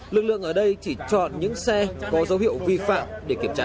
lực lượng ở đây chỉ chọn những xe có dấu hiệu vi phạm để kiểm tra